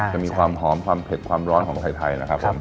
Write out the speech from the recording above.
จะมีความหอมความเพดความร้อนของไทย